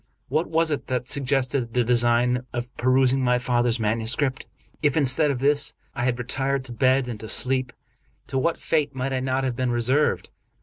What was it that suggested the design of perusing my father's manuscript? If, instead of this, I had retired to bed and to sleep, to what fate might I not have been reserved.